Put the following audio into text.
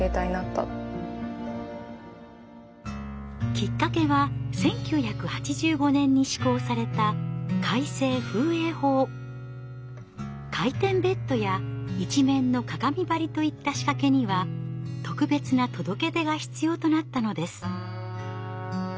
きっかけは１９８５年に施行された回転ベッドや一面の鏡張りといった仕掛けには特別な届け出が必要となったのです。